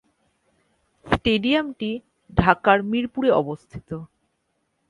স্টেডিয়ামটি ঢাকার মিরপুরে অবস্থিত।